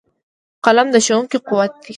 قلم د ښوونکو قوت دی